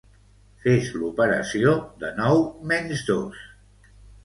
Fes l'operació de nou menys dos.